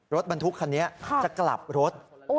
รถบรรทุกคันนี้จะกลับรถ